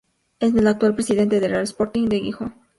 Es el actual presidente del Real Sporting de Gijón.